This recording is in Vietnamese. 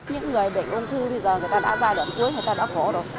những người bệnh ung thư bây giờ người ta đã giai đoạn cuối người ta đã khổ rồi